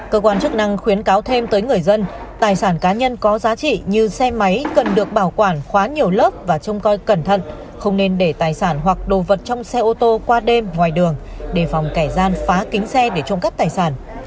cơ quan chức năng khuyến cáo thêm tới người dân tài sản cá nhân có giá trị như xe máy cần được bảo quản khóa nhiều lớp và trông coi cẩn thận không nên để tài sản hoặc đồ vật trong xe ô tô qua đêm ngoài đường để phòng kẻ gian phá kính xe để trộm cắp tài sản